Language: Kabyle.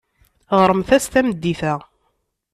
Ɣremt-as tameddit-a.